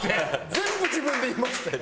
全部自分で言いましたやん。